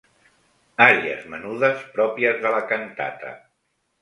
Àries menudes pròpies de la cantata.